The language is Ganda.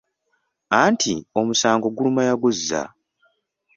Anti omusango guluma yaguzza!